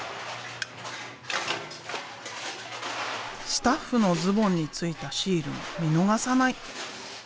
スタッフのズボンについたシールも見逃さない。